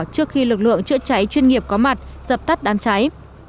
trước khi lực lượng chữa cháy chuyên nghiệp có mặt dập tắt đám cháy